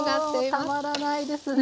もうたまらないですね。